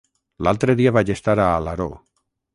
L'altre dia vaig estar a Alaró.